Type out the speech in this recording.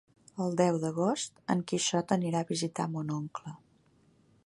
El deu d'agost en Quixot anirà a visitar mon oncle.